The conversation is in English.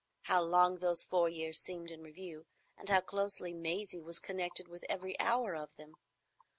How long those four years seemed in review, and how closely Maisie was connected with every hour of them!